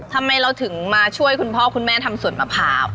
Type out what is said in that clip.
ทำไมเราถึงมาช่วยคุณพ่อคุณแม่ทำสวนมะพร้าว